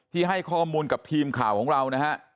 ให้ข้อมูลกับทีมข่าวของเรานะฮะ